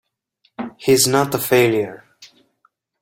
He's not a failure!